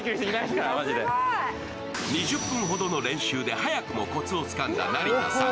２０分ほどの練習で早くもこつをつかんだ成田さん。